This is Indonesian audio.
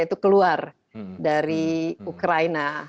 yaitu keluar dari ukraina